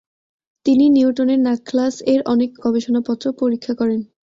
তিনি নিউটনের নাখলাস এর অনেক গবেষণাপত্র পরীক্ষা করেন।